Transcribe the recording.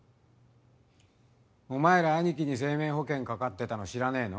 ⁉お前ら兄貴に生命保険かかってたの知らねえの？